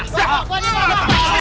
nah buangin dia